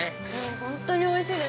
本当においしいです。